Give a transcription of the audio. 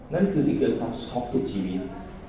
นั่นคือสิ่งที่เอิ๊กช็อคสุดชีวิต